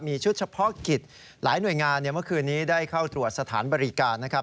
มีชุดเฉพาะกิจหลายหน่วยงานเมื่อคืนนี้ได้เข้าตรวจสถานบริการนะครับ